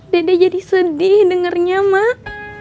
dede jadi sedih dengarnya mak